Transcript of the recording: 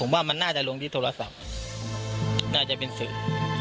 ว่ามันน่าจะลงที่โทรศัพท์น่าจะเป็นสื่อ